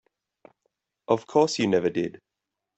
Of course you never did.